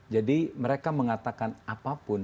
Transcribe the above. jadi mereka mengatakan apapun